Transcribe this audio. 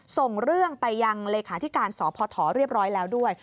ส่งเรื่องไปยังเลขาธิการสพเรียบร้อยแล้วด้วย